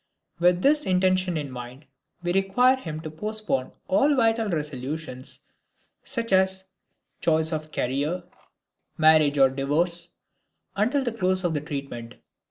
With this intention in mind, we require him to postpone all vital resolutions such as choice of a career, marriage or divorce, until the close of the treatment.